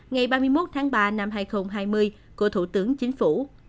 ngày ba mươi một tháng ba năm hai nghìn hai mươi của thủ tướng chính phủ